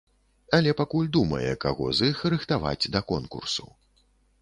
Але пакуль думае, каго з іх рыхтаваць да конкурсу.